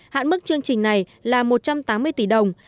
hạn mức chương trình này là một trăm tám mươi tỷ đồng